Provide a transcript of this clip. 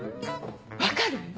分かる？